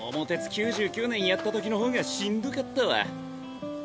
９９年やったときの方がしんどかったわ。